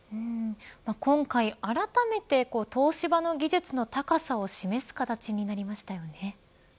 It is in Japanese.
今回、あらためて東芝の技術の高さを示す形になりましたよね。